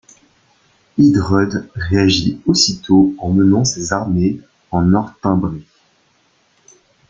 Eadred réagit aussitôt en menant ses armées en Northumbrie.